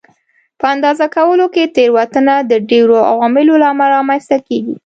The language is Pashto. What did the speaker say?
په اندازه کولو کې تېروتنه د ډېرو عواملو له امله رامنځته کېږي.